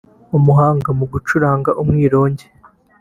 umuhanga mu gucuranga umwirongi